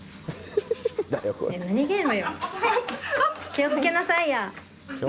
気をつけなさいよ。